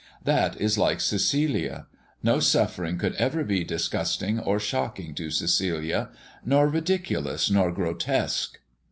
That is like Cecilia. No suffering could ever be disgusting or shocking to Cecilia, nor ridiculous, nor grotesque.